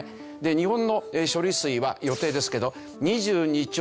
日本の処理水は予定ですけど２２兆